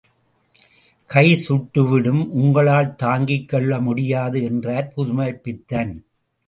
கை சுட்டு விடும் உங்களால் தாங்கிக் கொள்ள முடியாது என்றார் புதுமைப்பித்தன்.